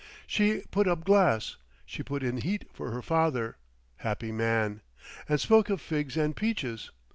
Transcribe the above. She put up glass, she put in heat for her father, happy man! and spoke of figs and peaches.